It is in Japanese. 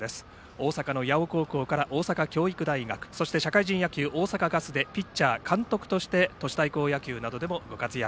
大阪の八尾高校から大阪教育大学そして社会人野球大阪ガスでピッチャー、監督として都市対抗野球などでも活躍。